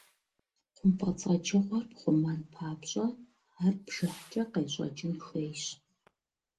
ХъумпӀэцӀэджыгъуэр пхъумэн папщӀэ, ар бжыхькӀэ къещӀэкӀын хуейщ.